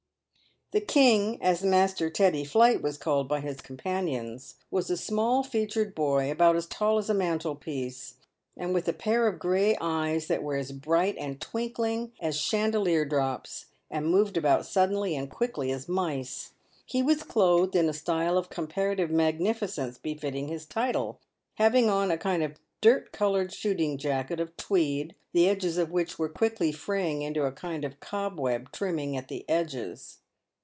The King, as Master Teddy Plight was called by his companions, was a small featured boy about as tall as a mantel piece, and with a pair of grey eyes that were as bright and twinkling as chandelier drops, and moved about suddenly and quickly as mice. He was clothed in a style of comparative magnificence befitting his title, having on a kind of dirt coloured shooting jacket of tweed, the edges of which were quickly fraying into a kind of cobweb trimming at the edges.